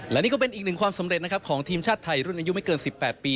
และนี่ก็เป็นอีกหนึ่งความสำเร็จนะครับของทีมชาติไทยรุ่นอายุไม่เกิน๑๘ปี